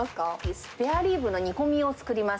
スペアリブの煮込みを作ります。